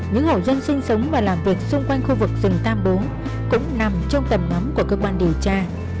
những hộ dân sinh sống và làm việc xung quanh khu vực rừng tam bố cũng nằm trong tầm ngắm của cơ quan điều tra